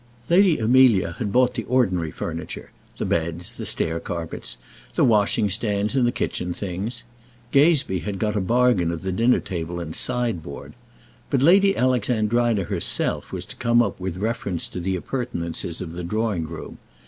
Lady Amelia had bought the ordinary furniture the beds, the stair carpets, the washing stands, and the kitchen things. Gazebee had got a bargain of the dinner table and sideboard. But Lady Alexandrina herself was to come up with reference to the appurtenances of the drawing room.